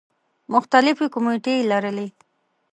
مختلفې کومیټې یې لرلې.